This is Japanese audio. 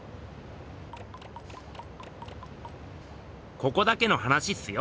ここだけの話っすよ。